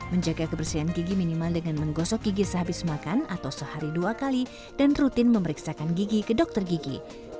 menjaga kebersihan gigi minimal dengan menggosok gigi sehabis makan atau sehari dua kali dan rutin memeriksakan gigi ke dokter gigi